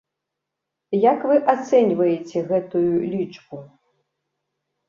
Як вы ацэньваеце гэтую лічбу?